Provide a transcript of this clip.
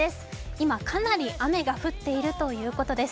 今、かなり雨が降っているということです。